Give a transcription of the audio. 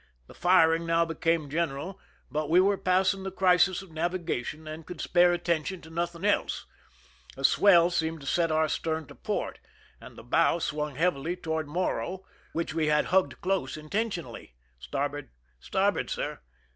The firing now became gen eral, but we were passing the crisis of navigation and could spare attention to nothing else. A swell seemed to set our stern to port, and the bow swung heavily toward Morro, which we had hugged close intentionally. " Starboard !"" Starboard, sir."